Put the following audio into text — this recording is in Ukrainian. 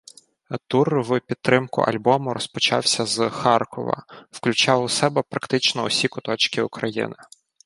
Тур в підтримку альбому розпочався з Харкова, включав у себе практично усі куточки України